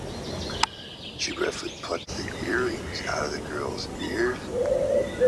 She roughly plucked the earrings out of the girl's ears.